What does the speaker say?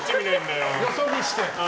よそ見して！